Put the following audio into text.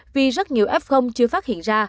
vì rất nhiều f chưa phát hiện ra